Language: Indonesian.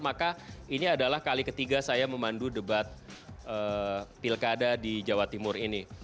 maka ini adalah kali ketiga saya memandu debat pilkada di jawa timur ini